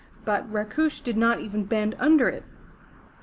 But R^ush did not even bend under it!